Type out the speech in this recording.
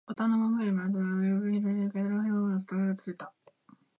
ボタンの真上で止まった親指を動かし、携帯の画面をパタリと閉じる